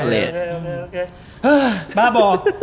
เฮ้อบ้าบอก